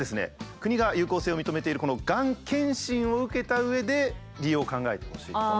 国が有効性を認めているがん検診を受けた上で利用を考えてほしいと。